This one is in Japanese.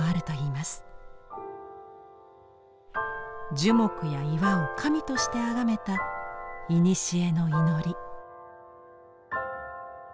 樹木や岩を神としてあがめたいにしえの祈り。